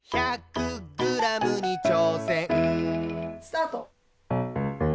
・スタート！